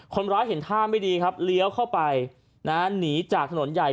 คนร้ายเห็นท่าไม่ดีครับเลี้ยวเข้าไปหนีจากถนนใหญ่